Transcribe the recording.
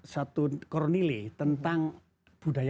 satu kronili tentang budaya